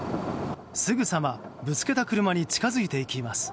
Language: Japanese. すぐさまぶつけた車に近づいていきます。